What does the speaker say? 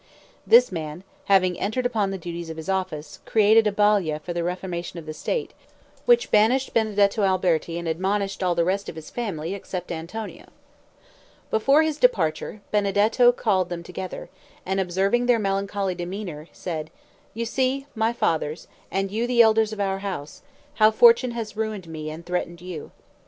This man, having entered upon the duties of his office, created a Balia for the reformation of the state, which banished Benedetto Alberti and admonished all the rest of his family except Antonio. Before his departure, Benedetto called them together, and observing their melancholy demeanor, said, "You see, my fathers, and you the elders of our house, how fortune has ruined me and threatened you.